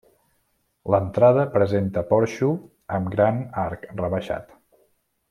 L'entrada presenta porxo amb gran arc rebaixat.